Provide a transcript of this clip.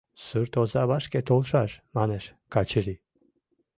— Сурт оза вашке толшаш, — манеш Качырий.